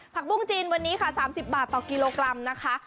ปุ้งจีนวันนี้ค่ะ๓๐บาทต่อกิโลกรัมนะคะ